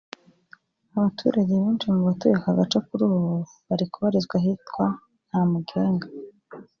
Abaturage benshi mu batuye aka gace kuri ubu bari kubarizwa ahitwa Ntamugenga